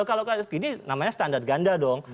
kalau gini namanya standar ganda dong